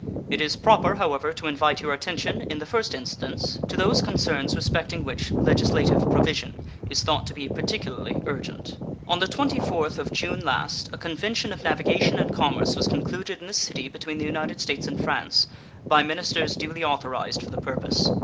It is proper, however, to invite your attention in the first instance to those concerns respecting which legislative provision is thought to be particularly urgent. On the 24th of June last a convention of navigation and commerce was concluded in this city between the United States and France by ministers duly authorized for the purpose.